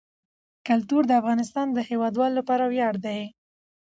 کلتور د افغانستان د هیوادوالو لپاره ویاړ دی.